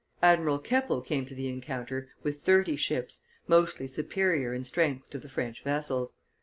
Admiral Keppel came to the encounter with thirty ships, mostly superior in strength to the French vessels.